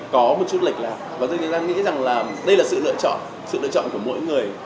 có một chút lịch là và tôi nghĩ rằng là đây là sự lựa chọn sự lựa chọn của mỗi người